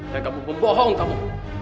dan kamu pembohong kamu